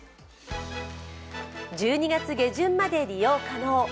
１２月下旬まで利用可能。